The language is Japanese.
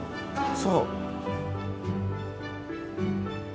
そう。